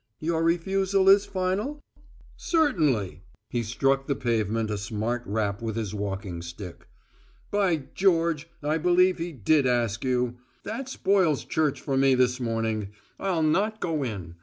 "Your refusal is final?" "Certainly!" He struck the pavement a smart rap with his walking stick. "By George, I believe he did ask you! That spoils church for me this morning; I'll not go in.